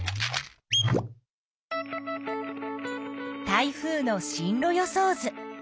台風の進路予想図。